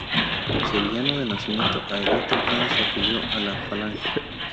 Sevillano de nacimiento, a edad temprana se afilió a la Falange.